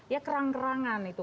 ya kerang kerangan itu